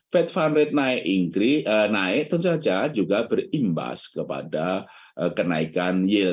fed fund rate naik tentu saja juga berimbas kepada kenaikan yield